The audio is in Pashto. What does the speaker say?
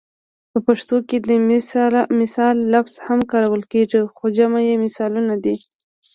په پښتو کې د مثال لفظ هم کارول کیږي خو جمع یې مثالونه ده